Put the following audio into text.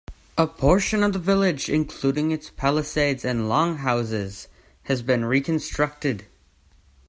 A portion of the village, including its palisades and longhouses, has been reconstructed.